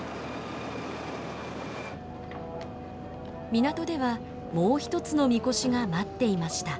港ではもう一つの神輿が待っていました。